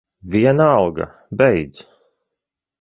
Vienalga. Beidz.